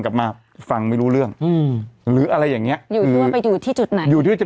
กลับมาฟังไม่รู้เรื่องหรืออะไรอย่างนี้อยู่ที่จุดไหนอยู่